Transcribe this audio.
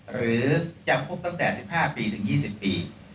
หรือจำคุกตั้งแต่๑๕ปีถึง๒๐ปี